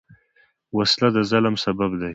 وسله د ظلم سبب ده